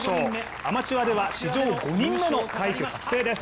アマチュアでは史上５人目の快挙達成です。